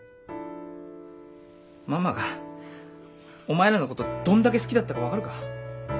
ママがお前らのことどんだけ好きだったか分かるか？